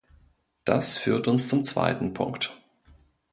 Das führt uns zum zweiten Punkt.